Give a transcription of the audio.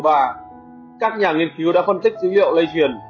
và các nhà nghiên cứu đã phân tích dữ liệu lây truyền